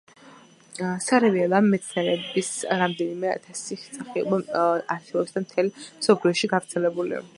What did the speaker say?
სარეველა მცენარეების რამდენიმე ათასი სახეობა არსებობს და მთელ მსოფლიოშია გავრცელებული.